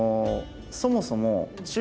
そもそも。